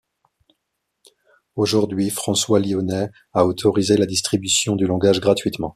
Aujourd'hui, François Lionet à autorisé la distribution du langage gratuitement.